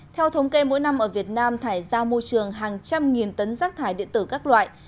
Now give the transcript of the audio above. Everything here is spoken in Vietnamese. theo thống kê mỗi năm ở việt nam thải ra môi trường hàng trăm nghìn tấn rác thải điện tử các loại